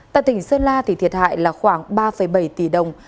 tại tỉnh sơn la thì thiệt hại là khoảng ba bảy tỷ đồng